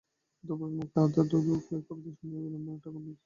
ধ্রুবের মুখে আধো-আধো স্বরে এ কবিতা শুনিয়া বিল্বন ঠাকুর নিতান্ত বিগলিত হইয়া গেলেন।